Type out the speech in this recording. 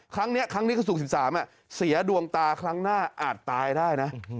ครั้งนี้ครั้งนี้คือศุกร์๑๓เสียดวงตาครั้งหน้าอาจตายได้นะ